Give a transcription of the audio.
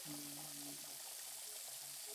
আতসবাজির মতো যত দাহন ততই উদ্দাম গতি লাভ করিয়াছি।